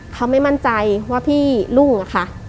เขาไม่มั่นใจว่าพี่รุ่งอะค่ะ